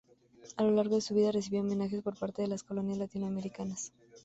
A lo largo de su vida recibió homenajes por parte de las colonias latinoamericanas.